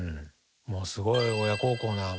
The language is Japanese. もうすごい親孝行な娘ですよ。